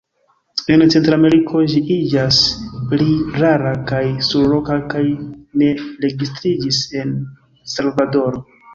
En Centrameriko ĝi iĝas pli rara kaj surloka, kaj ne registriĝis en Salvadoro.